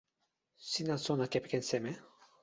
sina sona kepeken seme?